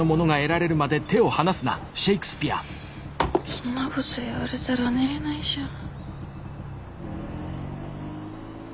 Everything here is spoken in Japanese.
そんなこと言われたら寝れないじゃん。